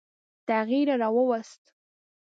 تغییر را ووست.